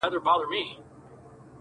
زه چي زهر داسي خورم د موږكانو؛